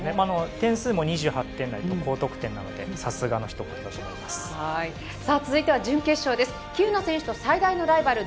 点数も２８点台と高得点なのでさすがのひと言です。